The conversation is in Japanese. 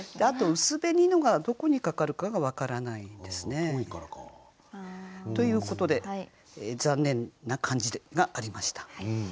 あと「薄紅の」がどこにかかるかが分からないんですね。ということで残念な感じがありました。